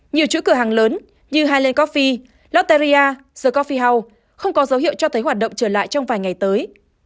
nhiều chỗ cửa hàng lớn như highland coffee lotteria the coffee house không có dấu hiệu cho thấy hoạt động trở lại trong vài ngày tới